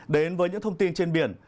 đến với những thông tin trên biển